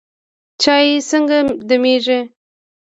چای څنګه دمیږي؟